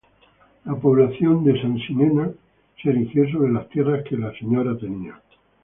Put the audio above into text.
La población de Sansinena se erigió sobre las tierras que la sra.